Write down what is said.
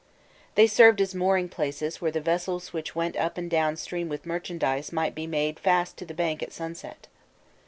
They served as mooring places where the vessels which went up and down stream with merchandise might be made fast to the bank at sunset.